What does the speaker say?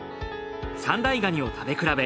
三大ガニを食べ比べ。